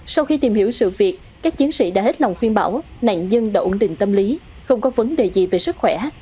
sau khi tìm hiểu sự việc các chiến sĩ đã hết lòng khuyên bảo nạn nhân đã ổn định tâm lý không có vấn đề gì về sức khỏe